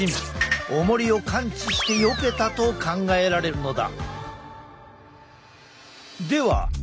おもりを感知してよけたと考えられるのだ。